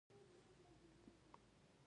مطلق غلط دی او هیڅ منطق ورته نه جوړېږي.